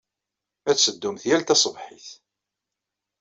Ad tetteddumt yal taṣebḥit.